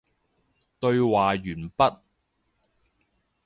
對話完畢